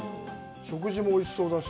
食事もおいしそうだし。